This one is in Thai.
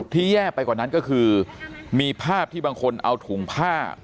แย่ไปกว่านั้นก็คือมีภาพที่บางคนเอาถุงผ้า